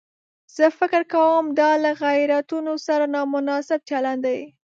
زه فکر کوم دا له غیرتونو سره نامناسب چلن دی.